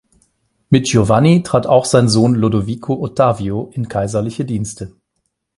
Mit Giovanni trat auch sein Sohn Lodovico Ottavio in kaiserliche Dienste.